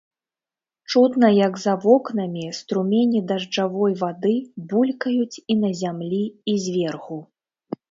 Чутна, як за вокнамі струмені дажджавой вады булькаюць і на зямлі і зверху.